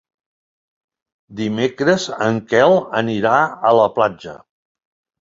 Dimecres en Quel anirà a la platja.